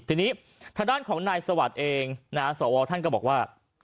ทีนี้ทางด้านของนายสวัสดิ์เองนะฮะสวท่านก็บอกว่า